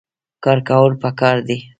کار کول پکار دي